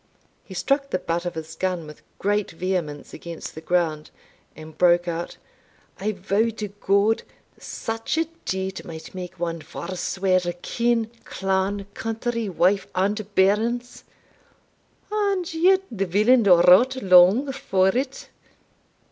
He struck the butt of his gun with great vehemence against the ground, and broke out "I vow to God, such a deed might make one forswear kin, clan, country, wife, and bairns! And yet the villain wrought long for it.